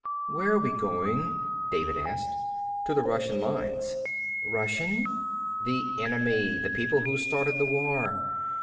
"Where are we going?" David asked. "To the Russian lines." "Russian?" "The enemy. The people who started the war.